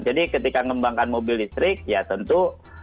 jadi ketika mengembangkan mobil listrik ya tentu